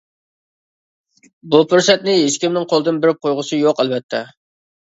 بۇ پۇرسەتنى ھېچكىمنىڭ قولدىن بېرىپ قويغۇسى يوق، ئەلۋەتتە.